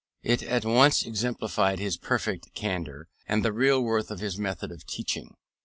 It at once exemplifies his perfect candour, and the real worth of his method of teaching.